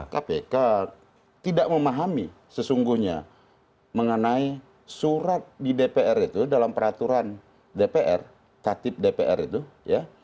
kpk tidak memahami sesungguhnya mengenai surat di dpr itu dalam peraturan dpr tatib dpr itu ya